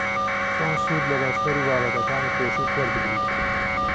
چۆن سوود لە بەستەر و بابەتەکانی پێشووت وەربگریت